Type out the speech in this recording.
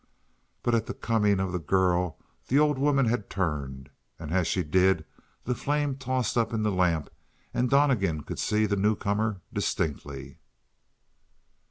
But at the coming of the girl the old woman had turned, and as she did the flame tossed up in the lamp and Donnegan could see the newcomer distinctly.